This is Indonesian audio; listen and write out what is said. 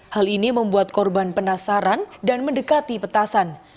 hal ini membuat korban penasaran dan mendekati petasan